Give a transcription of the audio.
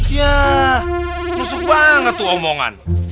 ya rusuk banget tuh omongan